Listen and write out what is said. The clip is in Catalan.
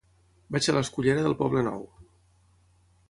Vaig a la escullera del Poblenou.